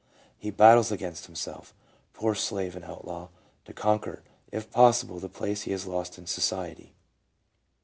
He battles against himself, poor slave and outlaw, to conquer, if possible, the place he has lost in society.